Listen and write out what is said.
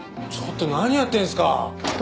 ちょっと何やってるんですか。